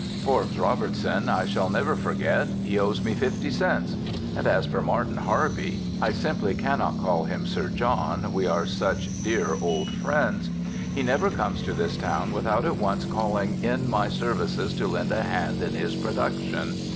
Forbes Robertson I shall never forget: he owes me 50 cents. And as for Martin Harvey I simply cannot call him Sir John, we are such dear old friends he never comes to this town without at once calling in my services to lend a hand in his production.